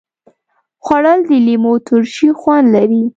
خوړل د لیمو ترشي خوند لري